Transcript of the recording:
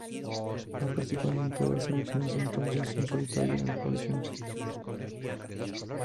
Ha participado en todas las elecciones desde entonces, en solitario o en coalición.